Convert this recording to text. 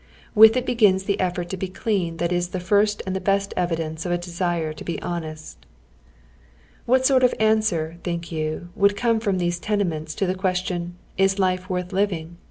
With it begins the effort to be clean that is the first aud the best evidence of a desire to be honest. What sort of an answer, think yon, wonld come from these tenements to the question "Is life worth living